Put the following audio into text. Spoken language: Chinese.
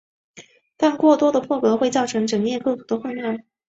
但过多的破格会造成整页构图的混乱。